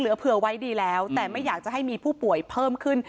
เหลือเผื่อไว้ดีแล้วแต่ไม่อยากจะให้มีผู้ป่วยเพิ่มขึ้น